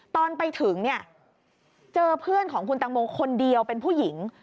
ตอนไปถึงเนี่ยเจอเพื่อนของคุณตังโมคนเดียวเป็นผู้หญิง